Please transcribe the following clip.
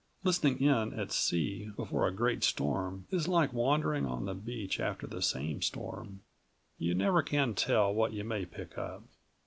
Listening in at sea before a great storm is like wandering on the beach after that same storm; you never can tell what you may pick up.